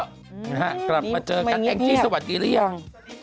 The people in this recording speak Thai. กลับมาเจอกันแองจี้สวัสดีหรือยัง